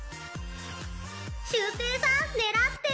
シュウペイさん狙って！